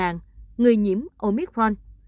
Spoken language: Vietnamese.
người nhiễm omicron